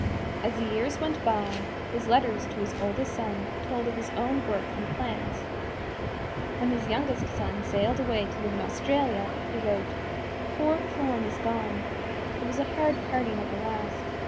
As the years went by, his letters to his oldest son told of his own work and plans. When his youngest son sailed away to live in Australia, he wrote: "Poor Plorn is gone. It was a hard parting at the last.